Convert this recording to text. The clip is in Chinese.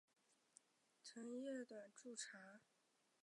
钝叶短柱茶为山茶科山茶属的植物。